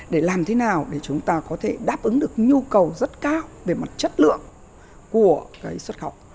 để làm thế nào để chúng ta có thể đáp ứng được nhu cầu rất cao về mặt chất lượng của cái xuất khẩu